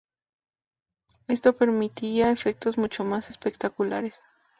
Esto permitía efectos mucho más espectaculares.